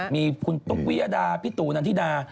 มีปุ๊กวี่ยดาพี่ปุนธนิดดา